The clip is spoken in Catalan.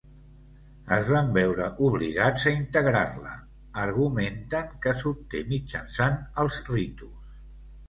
Es van veure obligats a integrar-la, argumenten que s'obté mitjançat els ritus.